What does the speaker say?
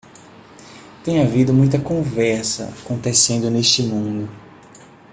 Tem havido muita conversa acontecendo neste mundo.